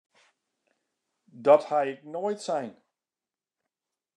Dat ha ik noait sein!